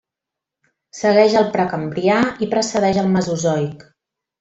Segueix el Precambrià i precedeix el Mesozoic.